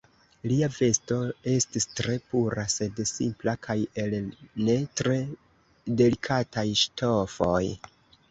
Lia vesto estis tre pura, sed simpla, kaj el ne tre delikataj ŝtofoj.